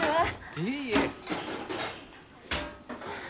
いえいえ。